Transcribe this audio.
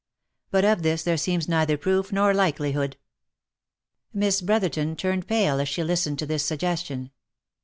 But of this there seems neither proof nor likelihood." Miss Brotherton turned pale as she listened to this suggestion.